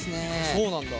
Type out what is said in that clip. そうなんだ！